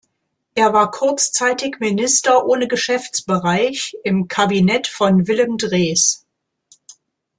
Er war kurzzeitig Minister ohne Geschäftsbereich im Kabinett von Willem Drees.